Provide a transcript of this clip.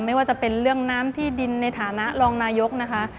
ไม่ว่าจะเป็นเรื่องน้ำที่ดินในฐานะรองนายกนะคะ